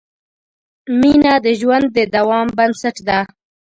مینه د ژوند د دوام بنسټ ده.